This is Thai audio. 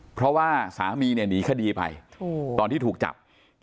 เพราะว่าสามีเนี่ยหนีคดีไปตอนที่ถูกจับ